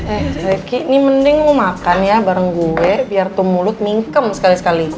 eh zeki nih mending lo makan ya bareng gue biar tumulut mingkem sekali sekali